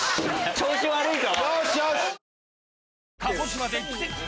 調子悪いぞ！